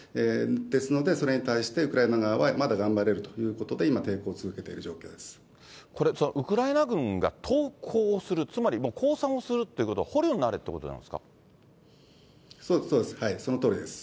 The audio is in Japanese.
ですのでそれに対してウクライナ側はまだ頑張れるということで、今、これ、ウクライナ軍が投降をする、つまり降参をするっていうことは、捕虜になれということなそうです、そのとおりです。